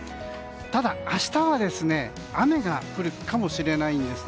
ただ、明日は雨が降るかもしれないんです。